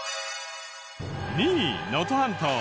２位能登半島。